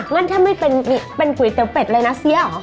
มันถ้ามันไม่เป็นก๋วยเต๋วเป็ดเลยนะเสี้ยหรอ